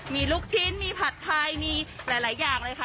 มีลูกชิ้นมีผัดไทยมีหลายอย่างเลยค่ะ